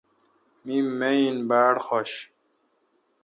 می ماین باڑ حوش